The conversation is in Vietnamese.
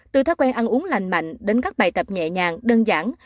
từ thói quen ăn uống lành mạnh đến các bài tập nhẹ nhàng đơn giản